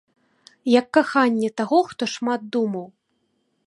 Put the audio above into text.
Як каханне таго, хто шмат думаў.